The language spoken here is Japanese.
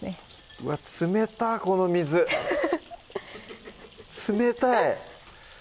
うわっ冷たこの水冷たい！